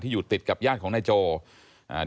ที่มันก็มีเรื่องที่ดิน